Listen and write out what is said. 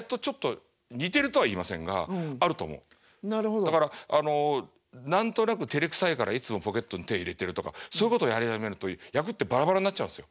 だからあの何となくてれくさいからいつもポケットに手入れてるとかそういうことやり始めると役ってバラバラになっちゃうんですよ。